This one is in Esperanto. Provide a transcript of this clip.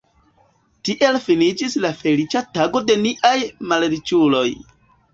Tiel finiĝis la feliĉa tago de niaj malriĉuloj.